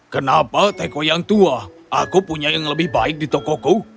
kenapa teko yang tua aku punya yang lebih baik di tokoku